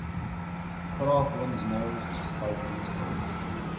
Cut off one's nose to spite one's face.